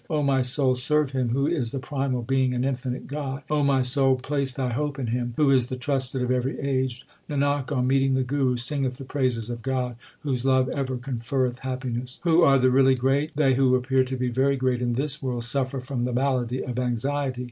O my soul, serve Him Who is the primal Being and infinite God. O my soul, place thy hope in Him Who is the trusted of every age. Nanak, on meeting the Guru, singeth the praises of God, Whose love ever conferreth happiness. Who are the really great : They who appear to be very great in this world Suffer from the malady of anxiety.